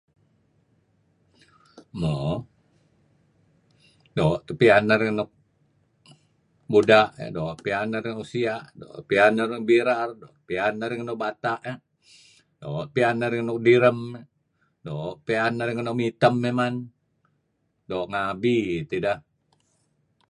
Mo doo' teh pian nari ngen nuk buda' doo' pian narih ngen nuk sia' doo' pian narih ngen nuk birar doo' pian narih ngen nuk bata' iih doo' pian narih ngen nuk direm doo' piyan narih ngen nuk mitem man doo' ngabi tideh.